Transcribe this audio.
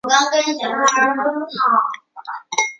在面前哭的那么无助